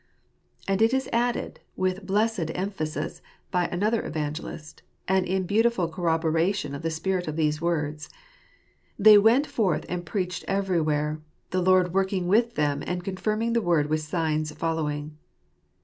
And it is added, with blessed emphasis, by another evangelist, and in beautiful corroboration of the spirit of these words, " They went forth and preached everywhere; the Lord working with them, and confirming the Word with signs following."